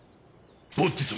ボッジ様